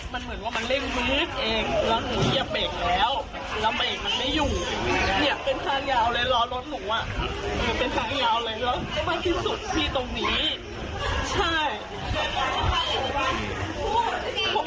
หนูก็ไม่กันตั้งใจเพราะว่าวันนี้หนูตั้งใจจะเอารถมาล้าง